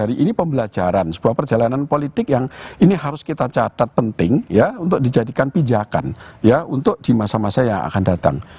hari ini pembelajaran sebuah perjalanan politik yang ini harus kita catat penting ya untuk dijadikan pijakan ya untuk di masa masa yang akan datang